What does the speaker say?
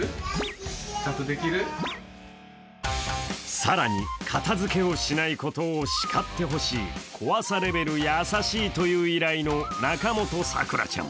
更に、片づけをしないことをしかってほしい、怖さレベル優しいという依頼の中本桜ちゃん。